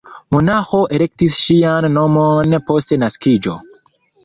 Monaĥo elektis ŝian nomon post naskiĝo.